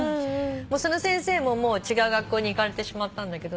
その先生ももう違う学校に行かれてしまったんだけど。